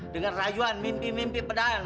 dengan rayuan mimpi mimpi pedang